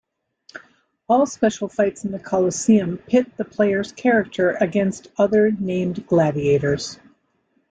All special fights in the Colosseum pit the player's character against other named gladiators.